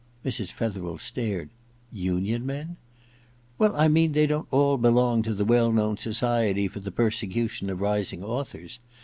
Mrs. Fetherel stared. * Union men ?' *Well, I mean they don't all belong to the well known Society for the Persecution of Rising Authors.